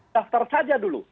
daftar saja dulu